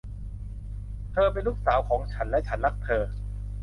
เธอเป็นลูกสาวของฉัน และฉันรักเธอ